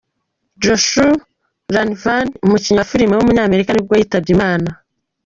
Josh Ryanvans, umukinnyi wa film w’umunyamerika nibwo yitabye Imana.